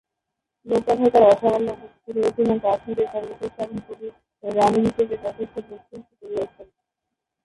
লোকগাঁথায় তাঁর অসামান্য উপস্থিতি রয়েছে এবং কাশ্মীরের সর্বশেষ স্বাধীন কবি রাণী হিসেবে তিনি যথেষ্ট প্রশংসিত হয়েছেন।